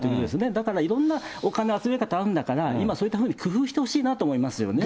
だから、いろんなお金の集め方、あるんだから、今、そういうふうに工夫してほしいなと思いますよね。